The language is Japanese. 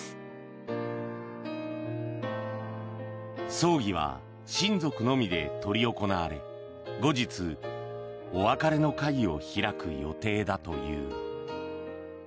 葬儀は親族のみで執り行われ後日、お別れの会を開く予定だという。